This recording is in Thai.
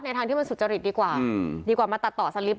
ทางที่มันสุจริตดีกว่าดีกว่ามาตัดต่อสลิป